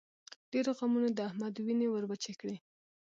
ډېرو غمونو د احمد وينې ور وچې کړې.